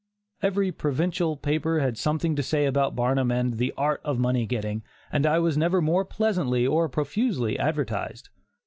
Every provincial paper had something to say about Barnum and "The art of Money Getting," and I was never more pleasantly or profusely advertised.